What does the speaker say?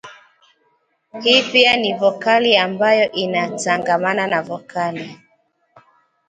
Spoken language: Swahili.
hii pia ni vokali ambayo inatangamana na vokali